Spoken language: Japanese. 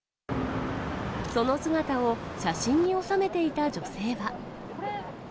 その姿を写真に収めていた女性は。